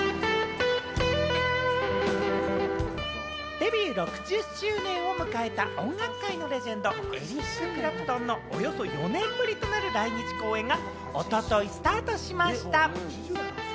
デビュー６０周年を迎えた音楽界のレジェンド、エリック・クラプトンのおよそ４年ぶりとなる来日公演が、一昨日スタートしました。